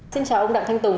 xin chào ông đặng thanh tùng